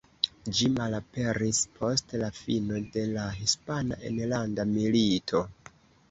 Ĝi malaperis post la fino de la Hispana Enlanda Milito.